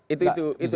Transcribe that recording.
itu itu itu